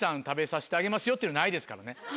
食べさしてあげますよっていうのないですからね。